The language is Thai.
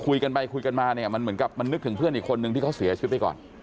คุยกันไปคุยกันมาเนี่ยมันเหมือนกับมันนึกถึงเพื่อนอีกคนนึงที่เขาเสียชีวิตไปก่อน